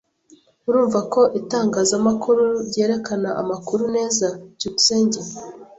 Urumva ko itangazamakuru ryerekana amakuru neza? byukusenge